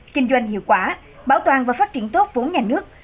kinh doanh hiệu quả bảo toàn và phát triển tốt vốn nhà nước